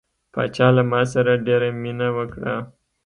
پاچا له ما سره ډیره مینه وکړه.